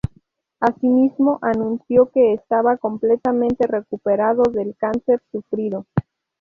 Asimismo, anunció que estaba completamente recuperado del cáncer sufrido.